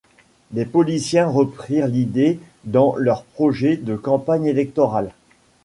Des politiciens reprirent l'idée dans leurs projets de campagne électorale.